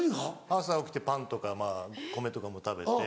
朝起きてパンとかまぁ米とかも食べて。